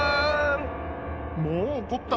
「もうおこった。